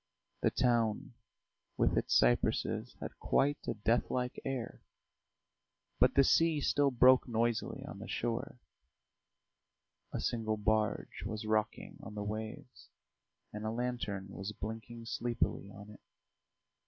The town with its cypresses had quite a deathlike air, but the sea still broke noisily on the shore; a single barge was rocking on the waves, and a lantern was blinking sleepily on it.